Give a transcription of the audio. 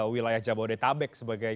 wilayah jabodetabek sebagai